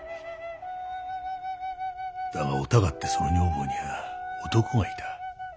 だがおたかってその女房には男がいた。